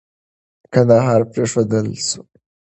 کندهار پرېښودل سو.